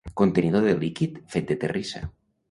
Contenidor de líquid fet de terrissa.